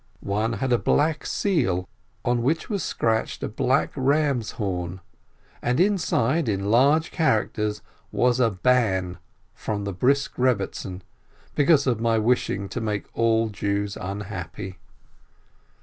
One had a black seal, on which was scratched a black ram's horn, and inside, in large characters, was a ban from the Brisk Eebbetzin, because of my wishing to make all the Jews unhappy.